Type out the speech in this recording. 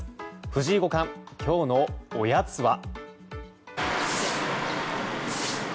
藤井五冠、今日のおやつは？